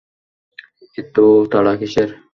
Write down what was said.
এতো তাড়া কিসের?